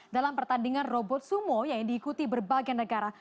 dalam pertandingan robot sumo yang diikuti berbagai negara